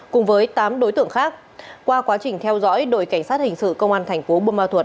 cùng với tám đối tượng khác qua quá trình theo dõi đội cảnh sát hình sự công an thành phố bô ma thuật